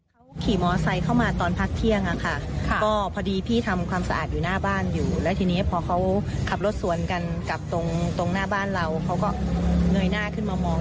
เขาขี่มอไซค์เข้ามาตอนพักเที่ยงอะค่ะก็พอดีพี่ทำความสะอาดอยู่หน้าบ้านอยู่แล้วทีนี้พอเขาขับรถสวนกันกับตรงหน้าบ้านเราเขาก็เงยหน้าขึ้นมามอง